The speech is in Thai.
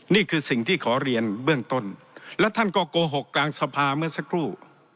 นี่คือสิ่งที่ขอเรียนเบื้องต้นและท่านก็โกหกกลางสภาเมื่อสักครู่